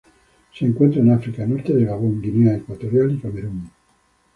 Se encuentran en África: norte de Gabón, Guinea Ecuatorial y Camerún.